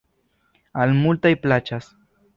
Al multaj plaĉas.